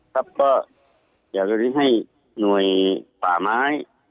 ครับก็อยากจะให้หน่วยป่าไม้